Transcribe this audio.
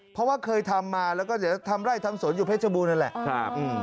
เพราะว่าเคยทำมาแล้วก็เดี๋ยวทำไร่ทำสวนอยู่เพชรบูรณนั่นแหละ